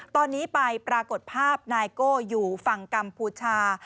ตอนนี้ไปปรากฏภาพนายโก้อยู่ฝั่งกัมพูชา